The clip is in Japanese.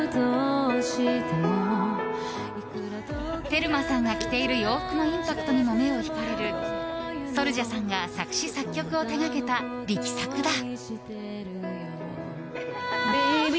テルマさんが着ている洋服のインパクトにも目を引かれるＳｏｕｌＪａさんが作詞・作曲を手掛けた力作だ。